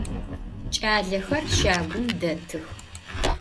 Ç'alexer şagum detıx.